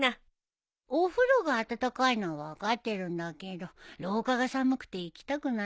お風呂が温かいのは分かってるんだけど廊下が寒くて行きたくないんだよ。